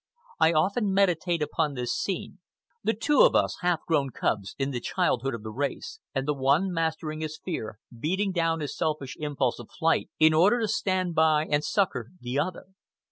I often meditate upon this scene—the two of us, half grown cubs, in the childhood of the race, and the one mastering his fear, beating down his selfish impulse of flight, in order to stand by and succor the other.